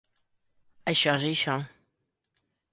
Això és això.